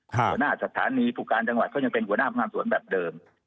หัวหน้าสถานีผู้การจังหวัดเขายังเป็นหัวหน้าผู้งานสวนแบบเดิม